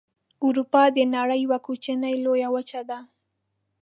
اروپا د نړۍ یوه کوچنۍ لویه وچه ده.